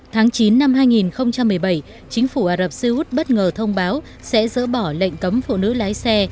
tháng chín năm hai nghìn một mươi bảy chính phủ ả rập xê út bất ngờ thông báo sẽ dỡ bỏ lệnh cấm phụ nữ lái xe